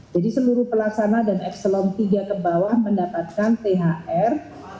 jadi seluruh pelaksana dan ekselon tiga ke bawah mendapatkan thr